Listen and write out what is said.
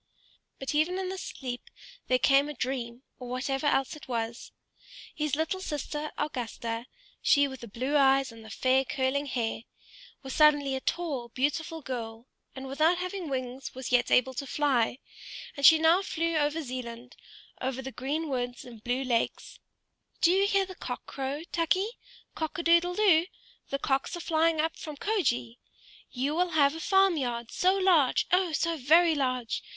But even in this sleep there came a dream, or whatever else it was: his little sister Augusta, she with the blue eyes and the fair curling hair, was suddenly a tall, beautiful girl, and without having wings was yet able to fly; and she now flew over Zealand over the green woods and the blue lakes. "Do you hear the cock crow, Tukey? Cock a doodle doo! The cocks are flying up from Kjoge! You will have a farm yard, so large, oh! so very large!